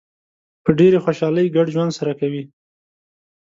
په ډېرې خوشحالۍ ګډ ژوند سره کوي.